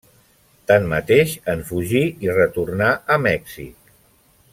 Tanmateix, en fugí i retornà a Mèxic.